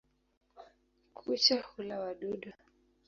Kucha hula wadudu.